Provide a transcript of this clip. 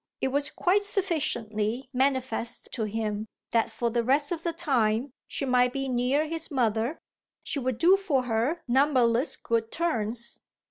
It was quite sufficiently manifest to him that for the rest of the time she might be near his mother she would do for her numberless good turns.